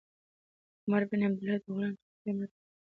عمر بن عبیدالله د غلام ټول قیمت په پوره ډول ادا کړ.